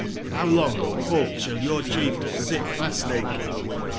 How long,0 folk, sball your cbief tains sit fasting